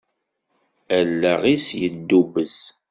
Allaɣ-is yeddubbez.